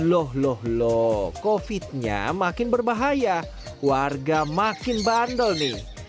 loh loh loh covid nya makin berbahaya warga makin bandel nih